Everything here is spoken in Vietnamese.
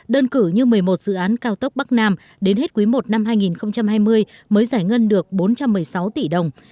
đơn cử như một mươi một dự án cao tốc bắc nam đến hết quý i năm hai nghìn hai mươi mới giải ngân được bốn trăm một mươi sáu tỷ đồng